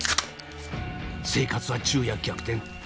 生活は昼夜逆転。